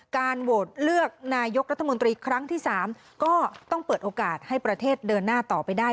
การโหวตเลือกนายกรัฐมนตรีครั้งที่๓ก็ต้องเปิดโอกาสให้ประเทศเดินหน้าต่อไปได้